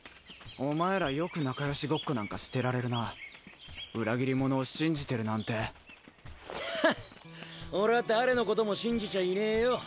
お前らよく仲良しごっこなんかしてられるな裏切り者を信じてるなんてハッ俺は誰のことも信じちゃいねえよ